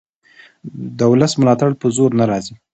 د ولس ملاتړ په زور نه راځي